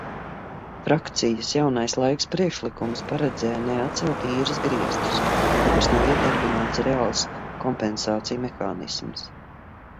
"Frakcijas "Jaunais laiks" priekšlikums paredzēja neatcelt īres griestus, pirms nav iedarbināts reāls kompensāciju mehānisms."